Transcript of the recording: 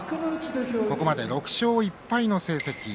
ここまで６勝１敗の成績。